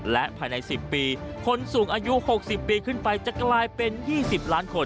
และภายใน๑๐ปีคนสูงอายุ๖๐ปีขึ้นไปจะกลายเป็น๒๐ล้านคน